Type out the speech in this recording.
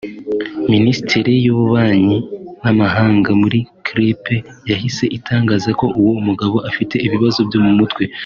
Minisiteri y’Ububanyi n’Amahanga muri Chypre yahise itangaza ko uwo mugabo afite ibibazo byo mu mutwe